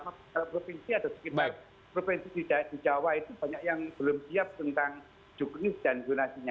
karena provinsi atau sekitar provinsi di jawa itu banyak yang belum siap tentang juknis dan zonasinya